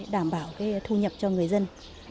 đảm bảo thu nhập cho người dân